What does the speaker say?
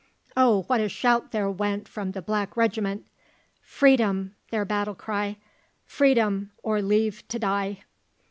Oh, what a shout there went From the Black Regiment! "Freedom!" their battle cry "Freedom! or leave to die!"